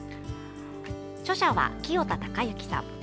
著者は、清田隆之さん。